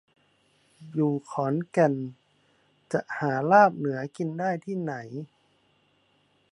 อยู่ขอนแก่นจะหาลาบเหนือกินได้ที่ไหน